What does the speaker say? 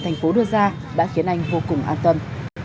thành phố đưa ra đã khiến anh vô cùng an tâm